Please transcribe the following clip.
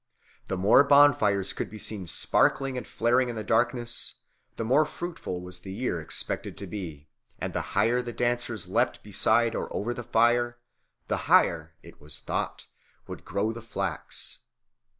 The more bonfires could be seen sparkling and flaring in the darkness, the more fruitful was the year expected to be; and the higher the dancers leaped beside or over the fire, the higher, it was thought, would grow the flax.